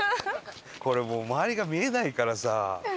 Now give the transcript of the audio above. これもう周りが見えないからさ。